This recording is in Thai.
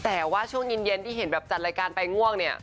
แต่ว่าช่วงเย็นที่เห็นแบบจัดรายการไปง่วงเนี่ย